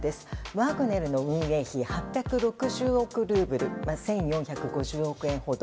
ワグネルの運営費８６０億ルーブル１４５０億円ほど。